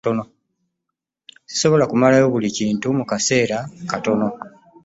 Ssisobola kumalayo buli kimu mu kaseera katono.